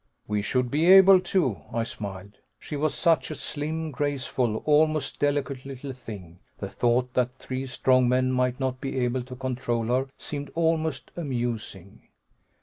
"We should be able to," I smiled. She was such a slim, graceful, almost delicate little thing; the thought that three strong men might not be able to control her seemed almost amusing.